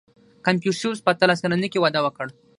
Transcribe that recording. • کنفوسیوس په اتلس کلنۍ کې واده وکړ.